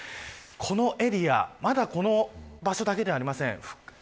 このエリア、まだこの場所だけではありません。